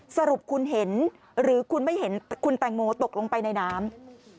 สรุปคุณเห็นหรือคุณไม่เห็นคุณแตงโมตกลงไปในน้ำ